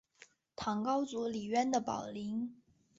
唐高祖李渊的宝林。